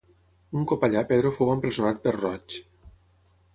Un cop allà Pedro fou empresonat per roig.